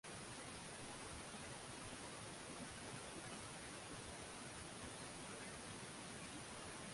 Rwanda na Kongo kama ilivyo kwa wamanyema asili yao ni Sudan na Kongo